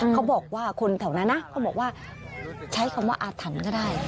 เขาบอกว่าคนแถวนั้นนะเขาบอกว่าใช้คำว่าอาถรรพ์ก็ได้